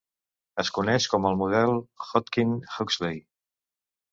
Es coneix com el model Hodgkin-Huxley.